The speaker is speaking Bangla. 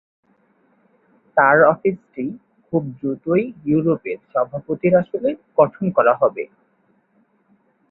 তার অফিসটি খুব দ্রুতই ইউরোপের সভাপতির আসলে গঠন করা হবে।